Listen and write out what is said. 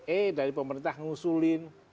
eh dari pemerintah ngusulin